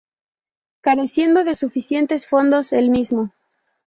Careciendo de suficientes fondos el mismo.